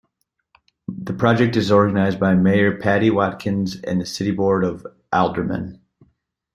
The project is organized by Mayor Patti Watkins and the City Board of Aldermen.